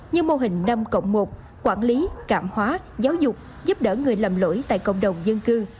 như mô hình năm cộng một quản lý cảm hóa giáo dục giúp đỡ người lầm lỗi tại cộng đồng dân cư